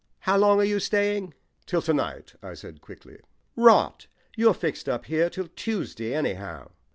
How long are you staying?" "Till to night," I said quickly. "Rot! You're fixed up here till Tuesday any how."